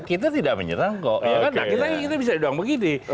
kita tidak menyerang kok kita bisa bilang begini